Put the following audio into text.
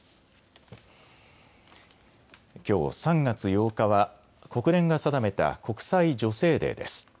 きょう３月８日は国連が定めた国際女性デーです。